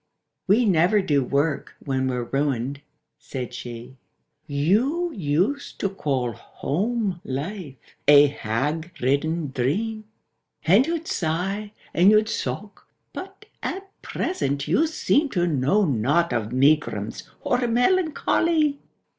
— "We never do work when we're ruined," said she. —"You used to call home life a hag ridden dream, And you'd sigh, and you'd sock; but at present you seem To know not of megrims or melancho ly!"